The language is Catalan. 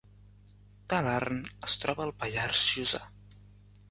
Talarn es troba al Pallars Jussà